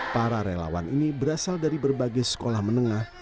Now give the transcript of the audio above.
para relawan ini berasal dari berbagai sekolah menengah